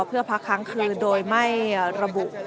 เพื่อพักค้างคืนโดยไม่ระบุ